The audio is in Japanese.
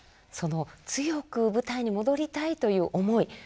その強く舞台に戻りたいという思い